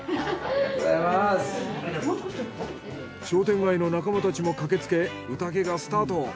商店街の仲間たちも駆けつけ宴がスタート。